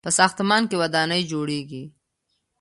په ساختمان کې ودانۍ جوړیږي.